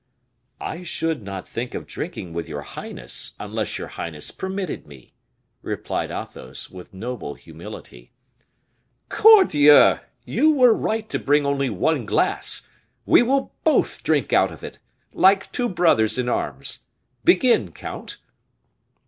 "I should not think of drinking with your highness, unless your highness permitted me," replied Athos, with noble humility. "Cordieu! you were right to bring only one glass, we will both drink out of it, like two brothers in arms. Begin, count."